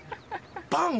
パン？